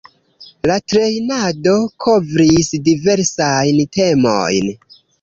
La trejnado kovris diversajn temojn.